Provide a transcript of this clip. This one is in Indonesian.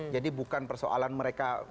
jadi bukan persoalan mereka